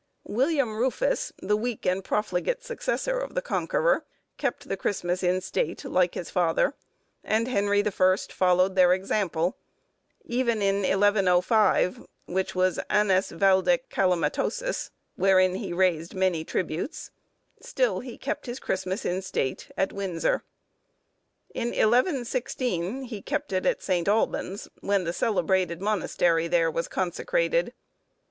William Rufus, the weak and profligate successor of the Conqueror, kept the Christmas in state, like his father, and Henry the First followed their example; even in 1105, which was "annus valde calamitosus," wherein he raised many tributes, he still kept his Christmas in state, at Windsor. In 1116, he kept it at St. Albans, when the celebrated monastery there was consecrated.